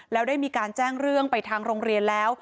แล้วได้มีการแจ้งเรื่องไปทางโรงเรียนแล้ว